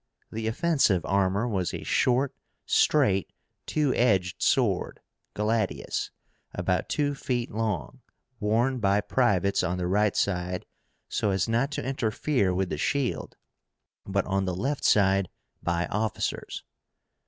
The offensive armor was a short, straight two edged sword (gladius), about two feet long, worn by privates on the right side, so as not to interfere with the shield, but on the left side by officers.